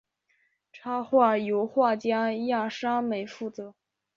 插画由画家亚沙美负责。